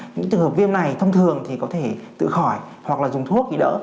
những trường hợp viêm này thông thường thì có thể tự khỏi hoặc là dùng thuốc khi đỡ